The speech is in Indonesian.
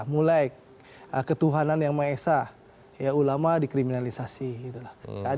mulai ketuhanan yang maesah ya ulama dikriminalisasi gitu lah